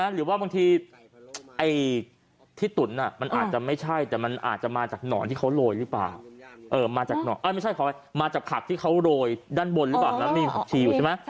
หรือว่าบางทีที่ตุ๋นมันอาจจะไม่ใช่แต่มันอาจจะมาจากผักที่เขาโรยด้านบนหรือเปล่า